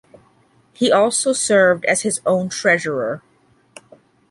He also served as his own Treasurer.